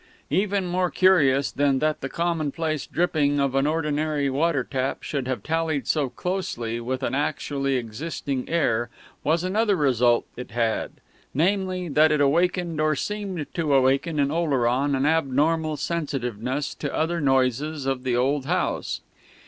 V Even more curious than that the commonplace dripping of an ordinary water tap should have tallied so closely with an actually existing air was another result it had, namely, that it awakened, or seemed to awaken, in Oleron an abnormal sensitiveness to other noises of the old house.